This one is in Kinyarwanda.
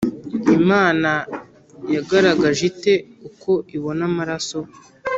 Imana yagaragaje ite uko ibona amaraso